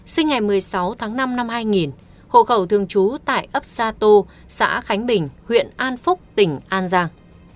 sinh ngày một mươi sáu tháng năm năm hai nghìn hộ khẩu thường trú tại ấp sa tô xã khánh bình huyện an phúc tỉnh an giang